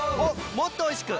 もっとおいしく！